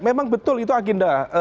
memang betul itu agenda